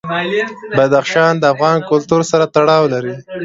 بدخشان د افغان کلتور سره تړاو لري.